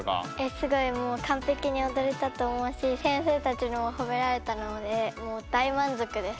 すごいもうかんぺきにおどれたと思うし先生たちにもほめられたのでもう大満足です。